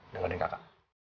dengar deh kakak